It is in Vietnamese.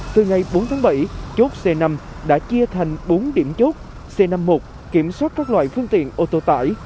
từ ngày bốn tháng bảy chốt c năm đã chia thành bốn điểm chốt c năm mươi một kiểm soát các loại phương tiện ô tô tải